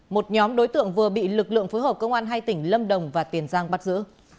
một nhóm đối tượng vừa bị lực lượng phối hợp công an hai tỉnh lâm đồng và tiền giang bắt giữ